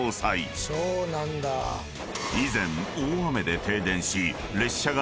［以前大雨で停電し列車が］